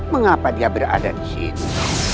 mengapa dia berada di sini